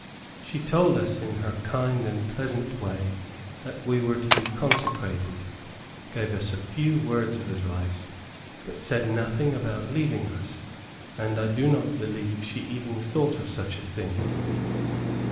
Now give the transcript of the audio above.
She told us in her kind and pleasant way that we were to be consecrated, gave us a few words of advice, but said nothing about leaving us, and I do not believe she even thought of such a thing.